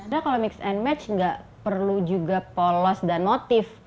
nah kalau mix and match nggak perlu juga polos dan motif